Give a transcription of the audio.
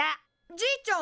じいちゃん！